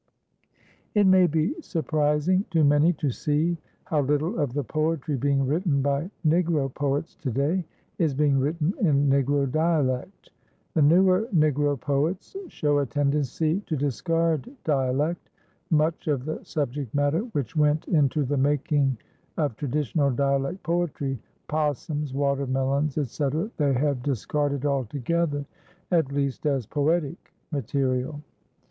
It may be surprising to many to see how little of the poetry being written by Negro poets to day is being written in Negro dialect. The newer Negro poets show a tendency to discard dialect; much of the subject matter which went into the making of traditional dialect poetry, 'possums, watermelons, etc., they have discarded altogether, at least, as poetic material.